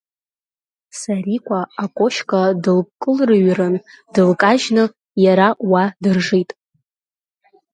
Сарикәа акошька дылкылрыҩрын дылкажьны иара уа дыржит.